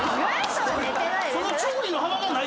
その調理の幅がない。